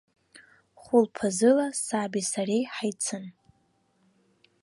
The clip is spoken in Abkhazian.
Хәылԥазыла саби сареи ҳаицын.